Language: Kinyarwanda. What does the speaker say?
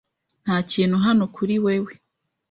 Nta kintu hano kuri wewe.